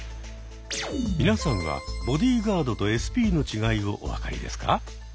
皆さんはボディーガードとＳＰの違いをお分かりですか？